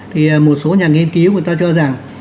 thì một số nhà nghiên cứu người ta cho rằng